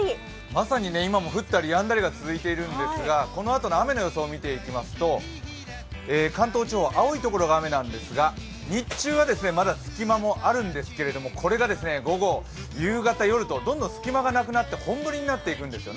まさに今も降ったりやんだりが続いているんですが、このあとの雨の様子をみていくと関東地方、青いところが雨なんですが、日中はまだ隙間もあるんですけれども、これが午後、夕方、夜とどんどん隙間がなくなった本降りになります。